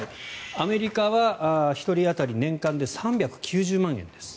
アメリカは１人当たり年間で３９０万円です。